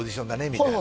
みたいな